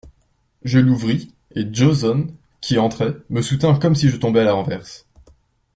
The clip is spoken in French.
Je l'ouvris, et Joson, qui entrait, me soutint comme je tombais à la renverse.